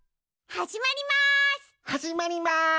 はじまります！